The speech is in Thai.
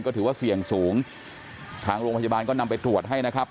ก็ถือว่าเสี่ยงสูงทางโรงพยาบาลก็นำไปตรวจให้นะครับ